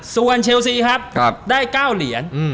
ส่วนเชลซีครับได้๙เหรียญ